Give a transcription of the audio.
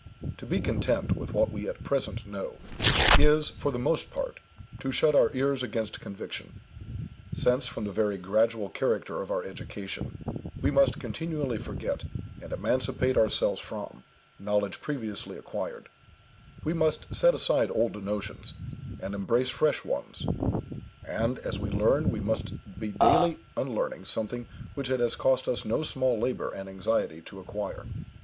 To be content with what we at present know, is, for the most part, to shut our ears against conviction; since, from the very gradual character of our education, we must continually forget, and emancipate ourselves from, knowledge previously acquired; we must set aside old notions and embrace fresh ones; and, as we learn, we must be daily unlearning something which it has cost us no small labour and anxiety to acquire.